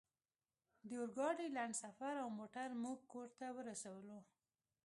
د اورګاډي لنډ سفر او موټر موږ کور ته ورسولو